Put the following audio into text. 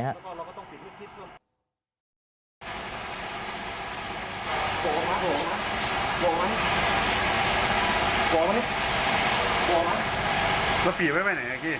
แล้วปีดไว้ไหนนะกี้